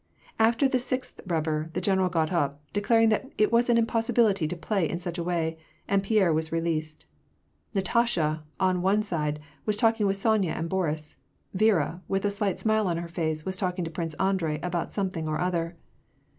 After the sixth rubber, the general got up, declaring that it was an impossibility to play in such a way, and Pierre was re leased. Natasha, on one side, was talking with Sonya and Boris : Yiera, with a slight smile on her face, was talking to Prince Andrei about something or other.